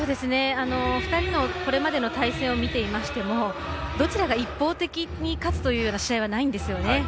２人の、これまでの対戦を見ていましてもどちらが一方的に勝つというような試合はないんですよね。